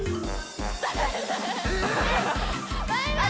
バイバーイ！